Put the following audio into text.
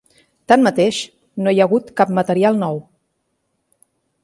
Tanmateix, no hi ha hagut cap material nou.